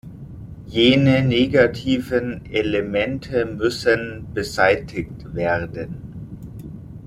Jene negativen Elemente müssen beseitigt werden.